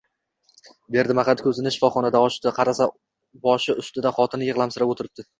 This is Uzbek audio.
Berdimamat ko’zini shifoxonada ochdi. Qarasa, boshi ustida xotini yig’lamsirab o’tiribdi.